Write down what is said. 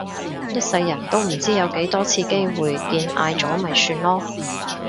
一世人都唔知有幾多次機會見嗌咗咪算囉